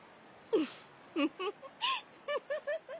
ウフフフ。